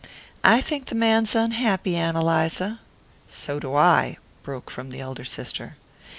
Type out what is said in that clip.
I think the man's unhappy, Ann Eliza." "So do I," broke from the elder sister.